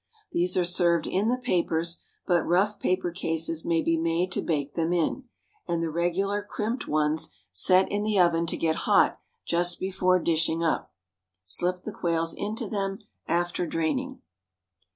These are served in the papers, but rough paper cases may be made to bake them in, and the regular crimped ones set in the oven to get hot just before dishing up. Slip the quails into them after draining.